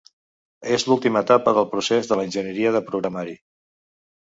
És l'última etapa del procés de l'enginyeria de programari.